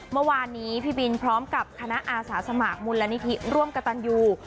เมื่อวานนี้พี่บินพร้อมกับคณะอาสาสมัครมูลนิธิร่วมกระตันยู